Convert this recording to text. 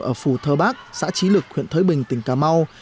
ở phù thơ bác xã trí lực huyện thới bình tỉnh cà mau